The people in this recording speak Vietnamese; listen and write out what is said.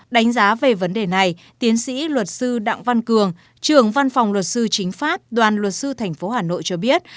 đánh giá về vấn đề này tiến sĩ luật sư đặng văn cường trưởng văn phòng luật sư chính pháp đoàn luật sư tp hà nội cho biết